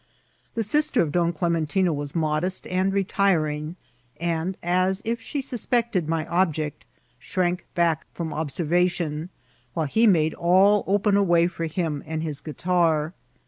The sister of Don Clementino was modest and retiring, and, as if she suspected my object, shrank back from observation, while he made all open a way for him and his guitar.